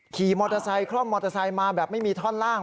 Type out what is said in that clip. ขี่มอเตอร์ไซค์คล่อมมอเตอร์ไซค์มาแบบไม่มีท่อนล่าง